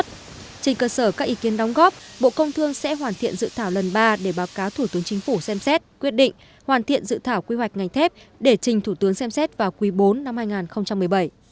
trên cơ sở các ý kiến đóng góp bộ công thương sẽ hoàn thiện dự thảo lần ba để báo cáo thủ tướng chính phủ xem xét quyết định hoàn thiện dự thảo quy hoạch ngành thép để trình thủ tướng xem xét vào quý bốn năm hai nghìn một mươi bảy